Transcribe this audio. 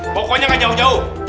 pokoknya gak jauh jauh